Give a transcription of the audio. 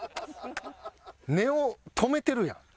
音を止めてるやん。